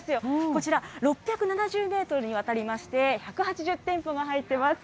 こちら、６７０メートルにわたりまして、１８０店舗が入っています。